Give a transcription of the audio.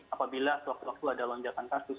apabila sewaktu waktu ada lonjakan kasus